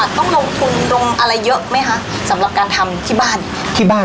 ต้องลงทุนลงอะไรเยอะไหมคะสำหรับการทำที่บ้านที่บ้าน